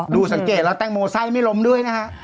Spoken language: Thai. สังเกตแล้วแตงโมไส้ไม่ล้มด้วยนะฮะ